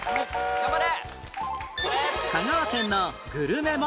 頑張れ。